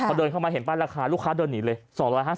พอเดินเข้ามาเห็นป้ายราคาลูกค้าเดินหนีเลย